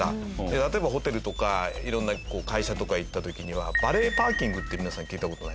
例えばホテルとか色んな会社とか行った時にはバレーパーキングって皆さん聞いた事ないですか？